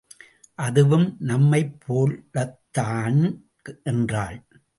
அதுவும் நம்மைப்போலத்தான் என்றாள்.